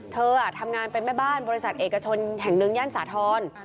เธอทำงานเป็นแม่บ้านบริษัทเอกชนแห่งหนึ่งย่านสาธรณ์